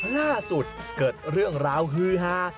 ล่าสุดเกิดเรื่องราวฮือฮา